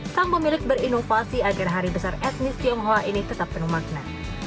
sang pemilik berinovasi agar hari besar etnis tionghoa ini tetap penuh makna